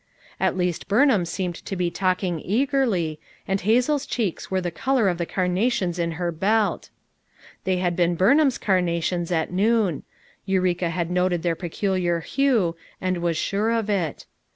At least Burnham seemed to be talking eagerly, and Hazel's cheeks were the color of the carna tions in her belt. They had been Burnham 's carnations at noon; Eureka had noted their peculiar hue, and was sure of it.